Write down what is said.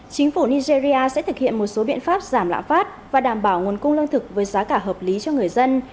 chính phủ nigeria sẽ thực hiện một số biện pháp giảm lãng phát và đảm bảo nguồn cung lương thực với giá cả hợp lý cho người dân